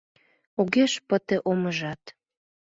Огеш пыте омыжат.